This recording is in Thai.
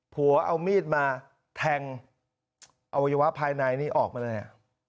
ผัวเอามีดมาแทงอวัยวะภายในนี่ออกมาเลยอ่ะ